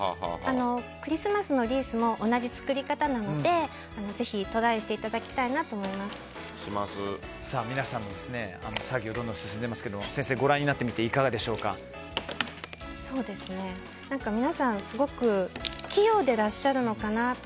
クリスマスのリースも同じ作り方なのでぜひトライしていただきたいなと皆さん作業どんどん進んでますけども先生、ご覧になってみて皆さん、すごく器用でいらっしゃるのかなと。